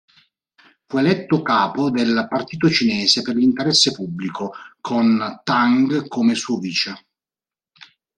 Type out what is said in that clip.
Fu eletto capo del "Partito cinese per l'interesse pubblico" con Tang come suo vice.